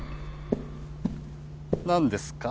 何ですか？